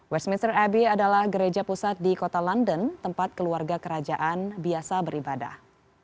westminster abbey adalah gereja pusat di kota london tempat keluarga kerajaan biasa beribadah